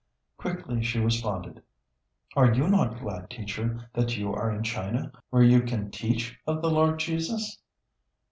Quickly she responded, "Are you not glad, teacher, that you are in China, where you can teach of the Lord Jesus?"